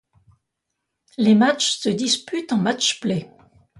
Les matchs se disputent en Match-Play.